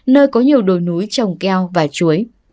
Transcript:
nơi có nhiều đồi núi trồng keo và chuối